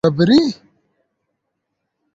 We birî.